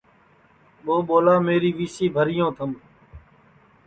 ٻو ٻولا میری وی سی بھریو تھم